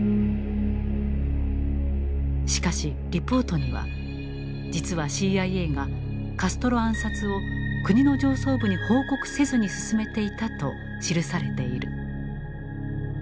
しかし「リポート」には実はＣＩＡがカストロ暗殺を国の上層部に報告せずに進めていたと記されている。